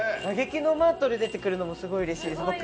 嘆きのマートル出てくるのもすごい嬉しいです